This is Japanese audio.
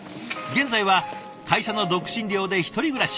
現在は会社の独身寮で１人暮らし。